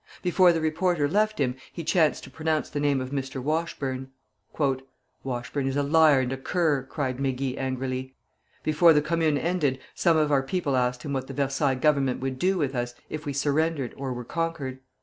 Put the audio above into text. Before the reporter left him, he chanced to pronounce the name of Mr. Washburne. "Washburne is a liar and a cur," cried Mégy, angrily. "Before the Commune ended, some of our people asked him what the Versailles Government would do with us if we surrendered or were conquered.